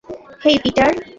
হেই, Peter!